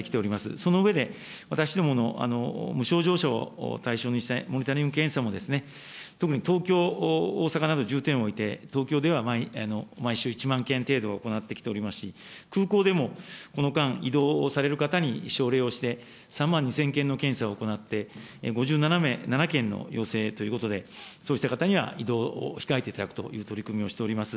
その上で私どもの無症状者を対象にしたモニタリング検査も、特に東京、大阪などに重点を置いて、東京では毎週１万件程度、行ってきておりますし、空港でもこの間、移動をされる方に奨励をして、３万２０００件の検査を行って５７件の陽性ということでそうした方には移動を控えていただくという取り組みをしております。